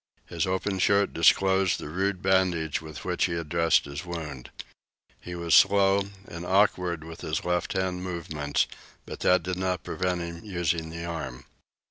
His open shirt disclosed the rude bandages with which he had dressed his wound. He was slow and awkward with his left hand movements, but that did not prevent his using the arm.